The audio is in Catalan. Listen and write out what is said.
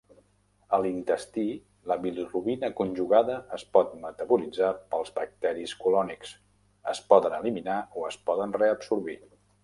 A l"intestí, la bilirubina conjugada es pot metabolitzar pels bacteris colònics, es poden eliminar o es poden reabsorbir.